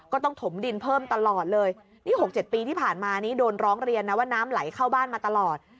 ต้องถมดินเพิ่มตลอดเลยนี่๖๗ปีที่ผ่านมานี้โดนร้องเรียนนะว่าน้ำไหลเข้าบ้านมาตลอด